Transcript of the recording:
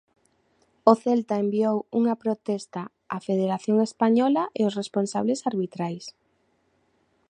O Celta enviou unha protesta á Federación Española e os responsables arbitrais.